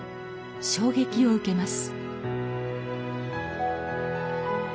衝撃を受けます